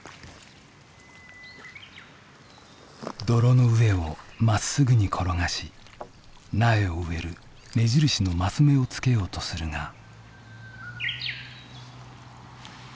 泥の上をまっすぐに転がし苗を植える目印のマス目をつけようとするが。